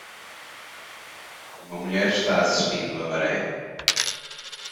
Uma mulher está assistindo a maré